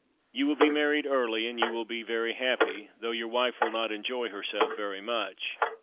"You will be married early, and you will be very happy, though your wife will not enjoy herself very much.